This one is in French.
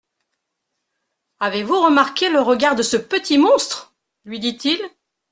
Avez-vous remarqué le regard de ce petit monstre ? lui dit-il.